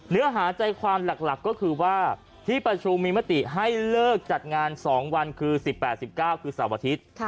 เนื้อหาใจความหลักก็คือว่าที่ประชุมมีมติให้เลิกจัดงาน๒วันคือ๑๘๑๙คือเสาร์อาทิตย์